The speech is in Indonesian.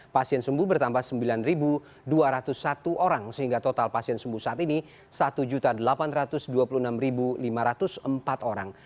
pasien sembuh bertambah sembilan dua ratus satu orang sehingga total pasien sembuh saat ini satu delapan ratus dua puluh enam lima ratus empat orang